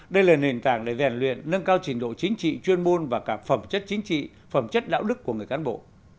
đây là nền tảng để rèn luyện nâng cao trình độ chính trị chuyên môn và cả phẩm chất chính trị phẩm chất đạo đức của người cán bộ